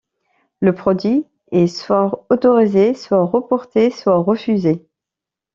Le produit est soit autorisé, soit reporté, soit refusé.